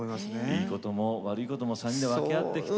いいことも悪いことも３人で分け合ってきた。